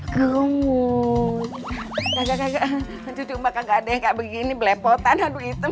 kemur gajah gajah mencukupi kagak deh kayak begini belepotan haduh hitam